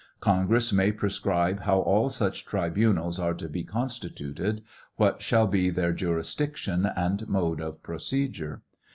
Con gress may prescribe ho^y all sucb tribunals are to be constituted, what shall be their juris diction and mode of procedure.